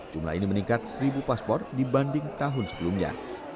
jumlah ini meningkat seribu paspor dibanding tahun sebelumnya